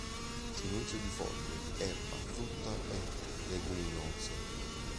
Si nutre di foglie, erba, frutta e leguminose.